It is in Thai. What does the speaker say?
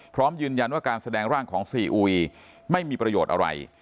พร้อมยืนยันว่าการแสดงร่างของซีอุยไม่มีประโยชน์อะไร